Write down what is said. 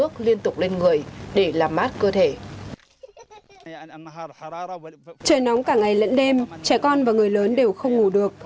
trời nóng cả ngày lẫn đêm trẻ con và người lớn đều không ngủ được